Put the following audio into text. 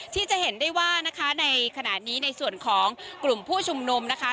ที่จะเห็นได้ว่านะคะในขณะนี้ในส่วนของกลุ่มผู้ชุมนุมนะคะ